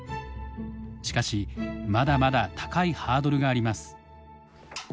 しかしまだまだ高いハードルがあります。